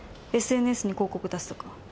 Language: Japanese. ＳＮＳに広告出すとか。